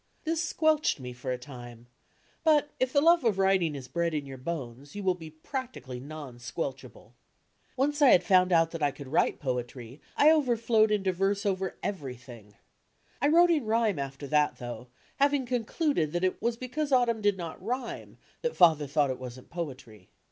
This squelched me for a time; but if the love of writing is bred in your bones, you will be practically non squelchable. Once I had found out that I could write poetry I overflowed into verse over every '"' .,..„«Google thing. I wrote in rhyme after that, though, having con cluded that it was because "Autumn" did not rhyme chat Father thought it wasn't poetry.